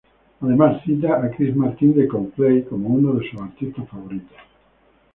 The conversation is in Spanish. Además cita a Chris Martin de Coldplay, como uno de sus artistas favoritos.